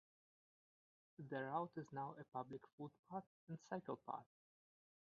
The route is now a public footpath and cycle path.